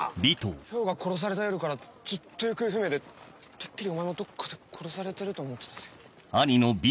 漂が殺された夜からずっと行方不明でてっきりお前もどっかで殺されてると思ってたぜ。